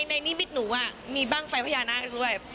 ในนิมิกหนูอ่ะมีบ้างไฟพญานาศักดิ์ด้วย